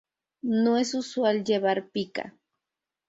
No es usual llevar pica.